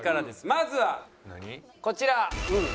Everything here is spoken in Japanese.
まずはこちら。